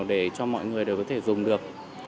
để cho mọi người đều có thể dùng được